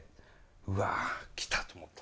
うわ来た！と思った。